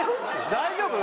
大丈夫？